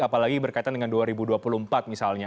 apalagi berkaitan dengan dua ribu dua puluh empat misalnya